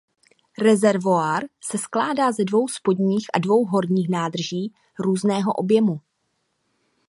Rezervoár se skládá ze dvou spodních a dvou horních nádrží různého objemu.